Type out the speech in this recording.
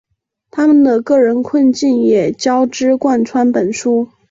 他们个人的困境也交织贯穿本书。